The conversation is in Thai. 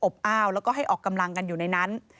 อ้าวแล้วก็ให้ออกกำลังกันอยู่ในนั้น